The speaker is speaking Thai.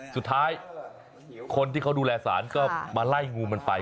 สุดท้ายคนที่เขาดูแลสารก็มาไล่งูมันไป